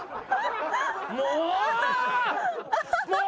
もう！